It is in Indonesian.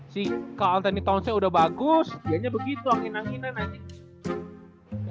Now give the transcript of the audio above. si carl anthony towns nya udah bagus dia nya begitu angin anginan anjing